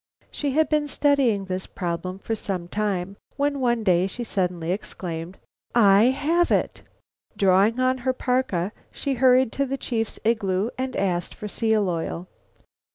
She had been studying this problem for some time when one day she suddenly exclaimed, "I have it!" Drawing on her parka she hurried to the chief's igloo and asked for seal oil.